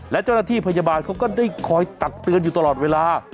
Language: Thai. และเจ้าหน้าที่พยาบาลเขาก็ได้คอยตักเตือนอยู่ตลอดเวลา